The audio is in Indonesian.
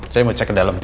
saya mau cek ke dalam